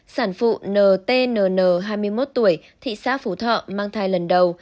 sản phụ ntn hai mươi một tuổi thị xã phú thọ mang thai lần đầu